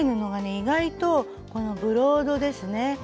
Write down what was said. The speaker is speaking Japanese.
意外とこのブロードですね。